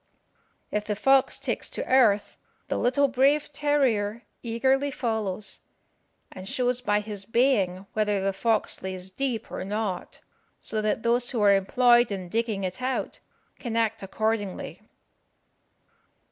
If the fox takes to earth, the little brave terrier eagerly follows, and shows by his baying whether the fox lays deep or not, so that those who are employed in digging it out can act accordingly.